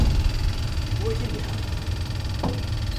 Wetin dey happen?